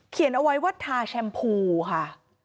เขียนเอาไว้ว่าทาแชมพูค่ะ